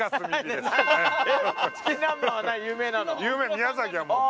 宮崎はもう。